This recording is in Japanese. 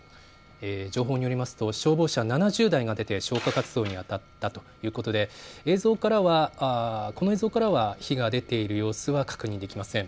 情報によりますと消防車７０台が出て消火活動にあたったということでこの映像からは火が出ている様子は確認できません。